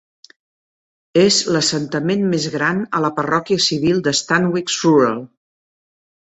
És l'assentament més gran a la parròquia civil de Stanwix Rural.